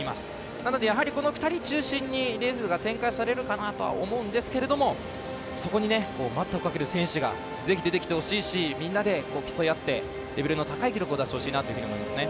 なので、この２人中心にレースが展開されるかなと思うんですけどそこに待ったをかける選手がぜひ、出てきてほしいしみんなで競い合ってレベルの高い記録を出してほしいなと思いますね。